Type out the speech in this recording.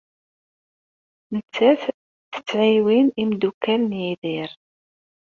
Nettat tettɛiwin imeddukal n Yidir.